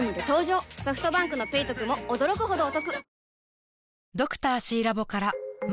ソフトバンクの「ペイトク」も驚くほどおトク